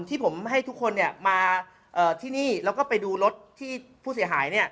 ที่ผมให้ทุกคนมาที่นี่แล้วก็ไปดูรถที่ผู้เสียหาย